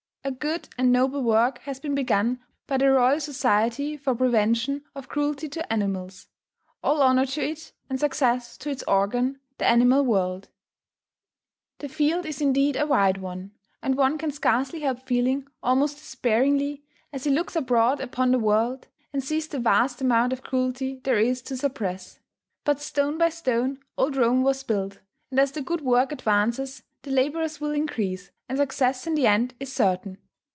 A good and noble work has been begun by the Royal Society for Prevention of Cruelty to Animals. All honour to it, and success to its organ, The Animal World. The field is indeed a wide one; and one can scarcely help feeling almost despairingly, as he looks abroad upon the world, and sees the vast amount of cruelty there is to suppress. But stone by stone old Rome was built; and as the good work advances, the labourers will increase, and success in the end is certain.